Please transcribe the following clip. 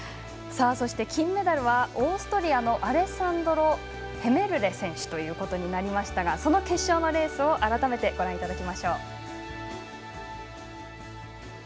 そして、金メダルはオーストリアアレッサンドロ・ヘメルレ選手となりましたがその決勝のレースを改めてご覧いただきましょう。